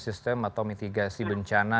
sistem atau mitigasi bencana